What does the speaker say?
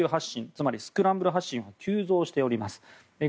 つまりスクランブル発進が急増しております。